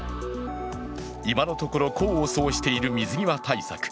今のところ、功を奏している水際対策。